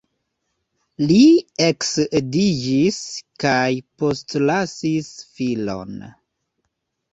Li eksedziĝis kaj postlasis filon.